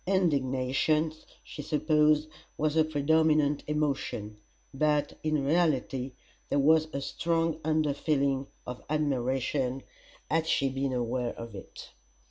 Indignation, she supposed, was her predominant emotion; but, in reality, there was a strong under feeling of admiration, had she been aware of it.